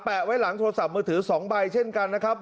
ไว้หลังโทรศัพท์มือถือ๒ใบเช่นกันนะครับ